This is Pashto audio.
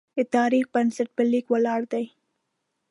د تاریخ بنسټ په لیک ولاړ دی.